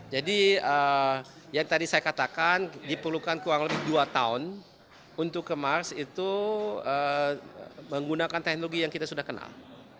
jadi yang tadi saya katakan diperlukan kurang lebih dua tahun untuk ke mars itu menggunakan teknologi yang kita sudah kenal